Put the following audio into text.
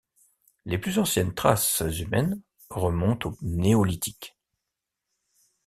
Les plus anciennes traces humaines remontent au néolithique.